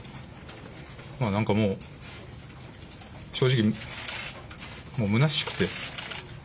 なんかもう、正直、もうむなしくて。